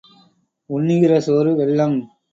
உண்ணுகிற சோறு வெல்லம்.